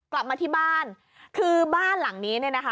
กลับมาที่บ้านคือบ้านหลังนี้เนี่ยนะคะ